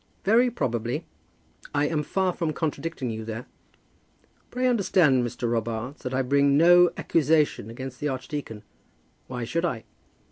"Very probably. I am far from contradicting you there. Pray understand, Mr. Robarts, that I bring no accusation against the archdeacon. Why should I?"